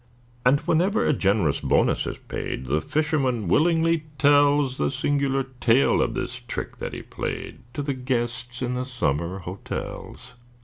And, whenever a generous bonus is paid, The fisherman willingly tells The singular tale of this trick that he played, To the guests in the summer hotels.